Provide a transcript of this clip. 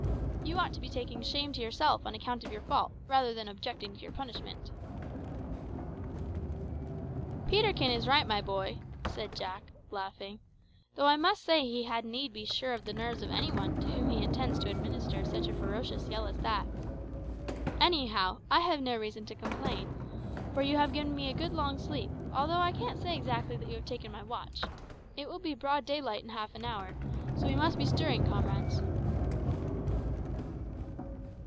You ought to be taking shame to yourself on account of your fault rather than objecting to your punishment." "Peterkin is right, my boy," said Jack, laughing, "though I must say he had need be sure of the nerves of any one to whom he intends to administer such a ferocious yell as that. Anyhow, I have no reason to complain; for you have given me a good long sleep, although I can't say exactly that you have taken my watch. It will be broad daylight in half an hour, so we must be stirring, comrades."